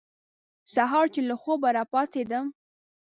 سهار چې له خوبه را پاڅېدم.